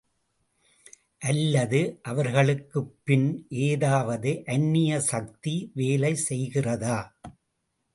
அல்லது அவர்களுக்குப் பின் ஏதாவது அந்நிய சக்தி வேலை செய்கிறதா?